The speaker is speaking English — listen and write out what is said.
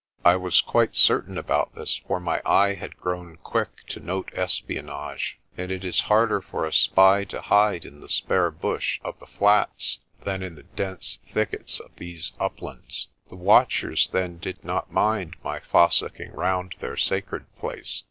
I was quite certain about this, for my eye had grown quick to note espionage, and it is harder for a spy to hide in the spare bush of the flats than in the dense thickets on these uplands. The watchers, then, did not mind my fossicking round their sacred place.